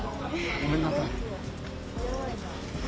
ごめんなさい。